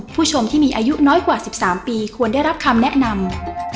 ผู้ชมที่มีอายุน้อยกว่า๑๓ปีควรได้รับคำแนะนำ